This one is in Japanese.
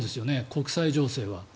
国際情勢は。